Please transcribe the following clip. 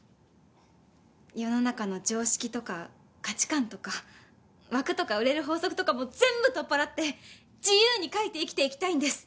世の中の常識とか価値観とか枠とか売れる法則とか全部取っ払って自由に書いて生きていきたいんです。